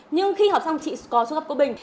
nhưng khi họp xong chị có xuất hợp cô bình